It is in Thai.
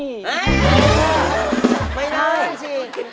ไม่ได้